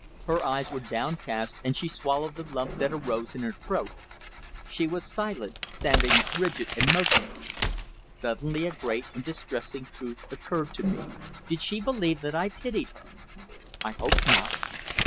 Her eyes were downcast, and she swallowed the lump that arose in her throat. She was silent, standing rigid and motionless. Suddenly a great and distressing truth occurred to me. Did she believe that I pitied her? I hoped not.